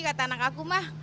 kata anak aku mah